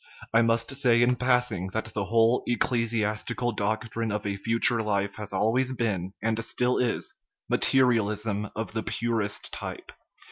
I must say, in passing, that the whole ecclesiastical dortrine of a future life has al ways been, and still is, materialism of the purest type.